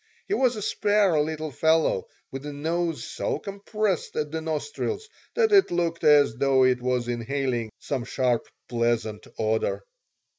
He was a spare little fellow with a nose so compressed at the nostrils that it looked as though it was inhaling some sharp, pleasant odor.